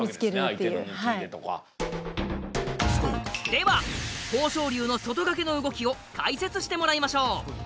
では豊昇龍の外掛けの動きを解説してもらいましょう。